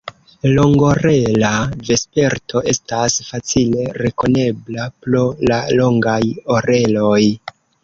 Longorela Vesperto estas facile rekonebla pro la longaj oreloj.